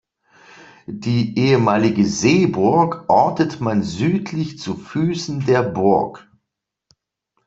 Die ehemalige Seeburg ortet man südlich zu Füßen der Burg.